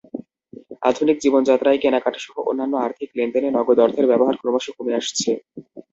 আধুনিক জীবনযাত্রায় কেনাকাটাসহ অন্যান্য আর্থিক লেনদেনে নগদ অর্থের ব্যবহার ক্রমশ কমে আসছে।